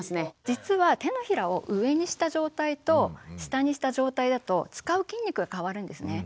実は手のひらを上にした状態と下にした状態だと使う筋肉が変わるんですね。